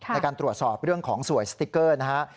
ในการตรวจสอบเรื่องของสวยสติ๊กเกอร์นะฮะ